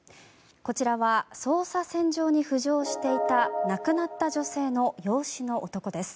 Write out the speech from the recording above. こちらは捜査線上に浮上していた亡くなった女性の養子の男です。